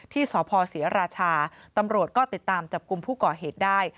ที่สพศรีราชาตำรวจก็ติดตามจับกลุ่มผู้ก่อเหตุได้